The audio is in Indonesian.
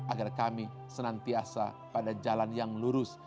agar kami senantiasa pada jalan yang lurus